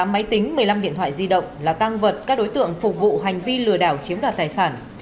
tám máy tính một mươi năm điện thoại di động là tăng vật các đối tượng phục vụ hành vi lừa đảo chiếm đoạt tài sản